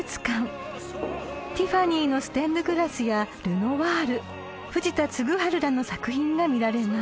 ［ティファニーのステンドグラスやルノワール藤田嗣治らの作品が見られます］